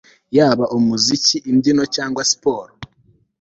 yaba umuziki, imbyino cyangwa siporo